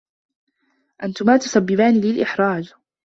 أنتما تسبّبان لي الإحراج.